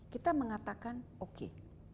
kita mengatakan oke